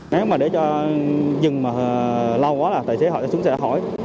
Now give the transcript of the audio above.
nếu mà để cho dừng mà lâu quá là tài xế hỏi xuống sẽ hỏi